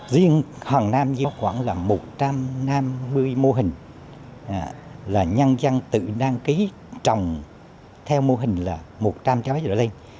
riêng hàng nam giữa khoảng một trăm năm mươi mô hình là nhân dân tự đăng ký trồng theo mô hình là một trăm linh trái rửa lên